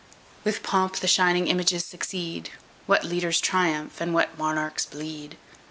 With pomp the shining images succeed, What leaders triumph, and what monarchs bleed!